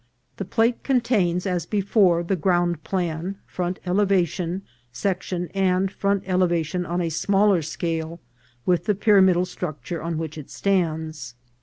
The plate contains, as before, the ground plan, front elevation, section, and front elevation on a smaller scale, with the pyramidal structure on which it stands.